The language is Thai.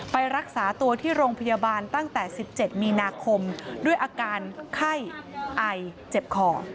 ไปรักษาตัวที่โรงพยาบาลตั้งแต่๑๗มีนาคมด้วยอาการไข้ไอเจ็บคอ